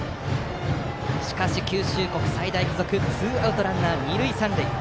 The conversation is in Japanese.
しかし、九州国際大付属ツーアウトランナー、二塁三塁。